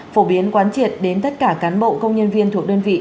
phổ biến quán triệt đến tất cả cán bộ công nhân viên thuộc đơn vị